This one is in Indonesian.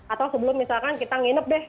atau sebelum misalkan kita nginep deh